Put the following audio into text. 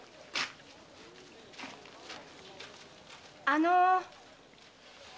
あの。